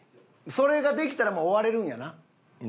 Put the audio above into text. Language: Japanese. それができたらもう終われるんやな。